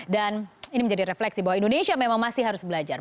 dan ini menjadi refleksi bahwa indonesia memang masih harus belajar